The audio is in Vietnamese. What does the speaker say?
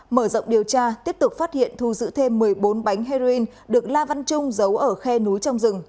mở rộng điều tra tiếp tục phát hiện thu giữ thêm một mươi bốn bánh heroin được la văn trung giấu ở khe núi trong rừng